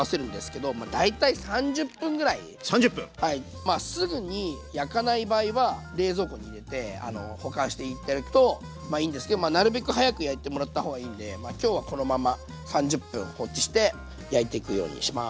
まあすぐに焼かない場合は冷蔵庫に入れて保管して頂くといいんですけどなるべく早く焼いてもらった方がいいので今日はこのまま３０分放置して焼いていくようにします。